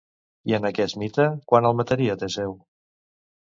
I en aquest mite, quan el mataria Teseu?